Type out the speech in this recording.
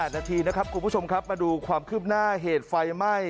๓นาทีคุณผู้ชมมาดูความคืบหน้าเหตุไฟไหม้